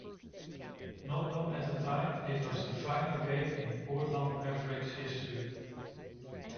Not known at the time, it was the final game in Portland Mavericks' history.